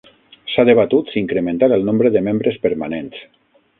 S'ha debatut si incrementar el nombre de membres permanents.